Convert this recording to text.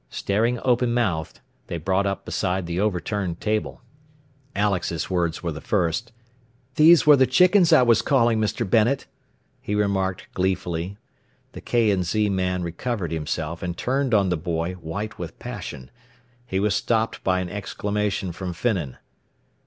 Staring open mouthed, they brought up beside the overturned table. Alex's words were the first. "These were the chickens I was calling, Mr. Bennet," he remarked gleefully. The K. & Z. man recovered himself and turned on the boy, white with passion. He was stopped by an exclamation from Finnan.